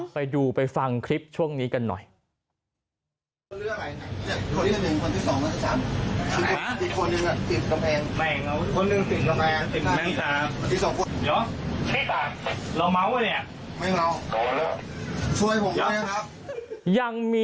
ไปดูไปฟังคลิปช่วงนี้กันหน่อย